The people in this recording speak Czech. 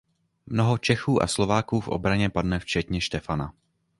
Mnoho Čechů a Slováků v obraně padne včetně Štefana.